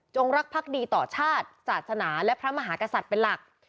รักภักดีต่อชาติศาสนาและพระมหากษัตริย์เป็นหลัก